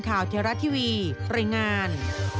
ข่าวเทราะทีวีปริงาน